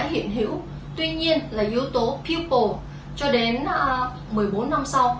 tuy nhiên là yếu tố pupil cho đến một mươi bốn năm sau